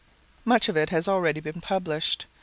Much of it has already been published.